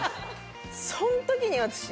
その時に私。